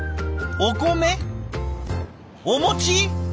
お米？お餅！？